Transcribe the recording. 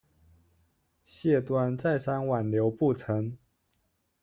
谢端再三挽留不成。